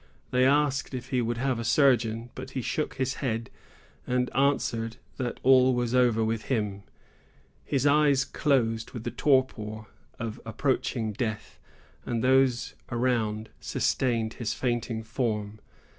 They asked if he would have a surgeon; but he shook his head, and answered that all was over with him. His eyes closed with the torpor of approaching death, and those around sustained his fainting form.